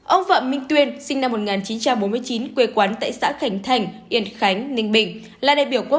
ông phạm minh tuyên sinh năm một nghìn chín trăm bốn mươi chín quê quán tại xã khánh thành yên khánh ninh bình